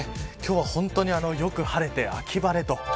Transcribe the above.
今日は本当によく晴れて秋晴れと。